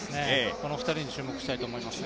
この２人に注目したいと思いますね